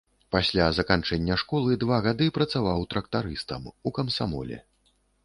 Пасля заканчэння школы два гады працаваў трактарыстам, у камсамоле.